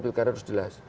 pilkada harus jelas